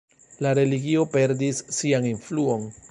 La religio perdis sian influon.